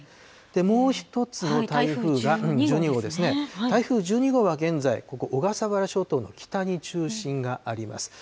もう１つの台風が、１２号ですね、台風１２号は現在、ここ小笠原諸島の北に中心があります。